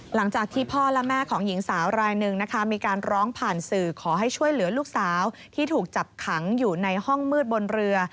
หลังจากที่พ่อและแม่ของหญิงสาวรายหนึ่งนะคะมีการร้องผ่านสื่อขอให้ช่วยเหลือลูกสาวที่ถูกจับขังอยู่ในห้องมืดบนเรือ